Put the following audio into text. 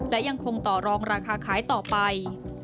และยังคงต่อรองราคาขายต่อไป